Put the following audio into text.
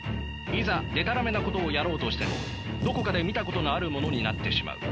いざでたらめなことをやろうとしてもどこかで見たことのあるものになってしまう。